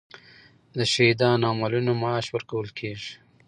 د شهیدانو او معلولینو معاش ورکول کیږي؟